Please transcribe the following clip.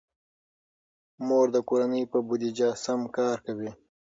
مور د کورنۍ په بودیجه سم کار کوي.